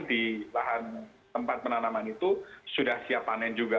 di lahan tempat penanaman itu sudah siap panen juga